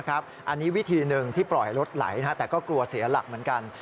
อันนี้วิธีหนึ่งที่ปล่อยรถไหลแต่ก็กลัวเสียหลักเหมือนกัน